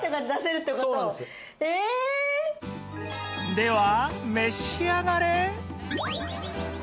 では召し上がれ